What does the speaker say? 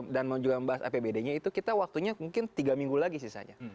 dan juga membahas apbd nya itu kita waktunya mungkin tiga minggu lagi sisanya